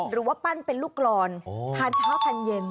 หรือว่าปั้นเป็นลูกกรอนทานเช้าทานเย็น